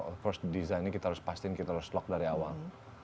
tentu saja desainnya kita harus pastikan kita harus lock dari awal